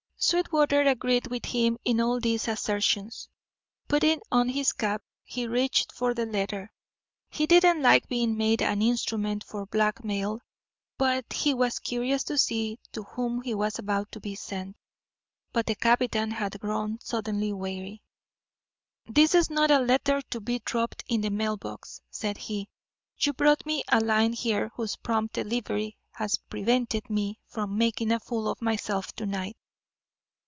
Sweetwater agreed with him in all these assertions. Putting on his cap, he reached for the letter. He didn't like being made an instrument for blackmail, but he was curious to see to whom he was about to be sent. But the captain had grown suddenly wary. "This is not a letter to be dropped in the mailbox," said he. "You brought me a line here whose prompt delivery has prevented me from making a fool of myself to night.